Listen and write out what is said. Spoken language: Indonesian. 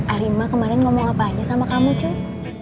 arima kemarin ngomong apa aja sama kamu cu